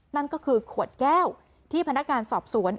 นั่นก็คือขวดแก้วที่พนักการสอบสวน